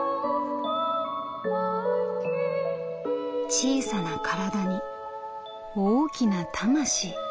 「小さな体に大きな魂。